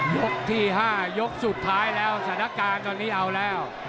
ยกที่๕ยกสุดท้ายแล้วสถานการณ์ตอนนี้เอาแล้ว